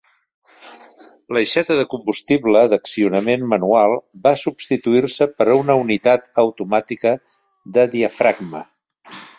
L'aixeta de combustible d'accionament manual va substituir-se per una unitat automàtica de diafragma.